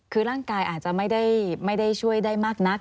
คือร่างกายอาจจะไม่ได้ช่วยได้มากนัก